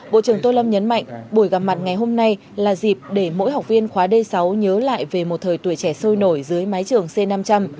bộ trưởng tô lâm nhấn mạnh buổi gặp mặt ngày hôm nay là dịp để mỗi học viên khóa d sáu nhớ lại về một thời tuổi trẻ sôi nổi dưới mái trường c năm trăm linh